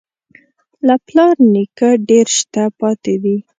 له پلار نیکه ډېر شته پاتې دي.